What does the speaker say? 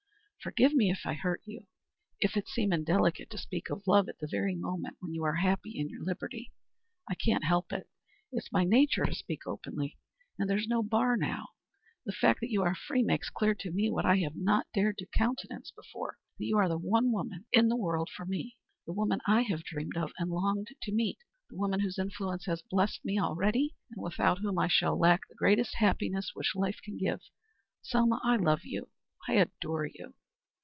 Forgive me if I hurt you, if it seem indelicate to speak of love at the very moment when you are happy in your liberty. I can't help it; it's my nature to speak openly. And there's no bar now. The fact that you are free makes clear to me what I have not dared to countenance before, that you are the one woman in the world for me the woman I have dreamed of and longed to meet the woman whose influence has blessed me already, and without whom I shall lack the greatest happiness which life can give. Selma, I love you I adore you."